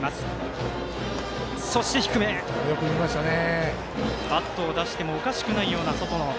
よく見ましたね。